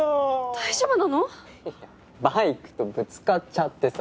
大丈夫なの⁉バイクとぶつかっちゃってさ。